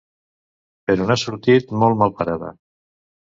Però n’ha sortit molt mal parada.